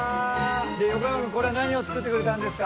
横山君これは何を作ってくれたんですか？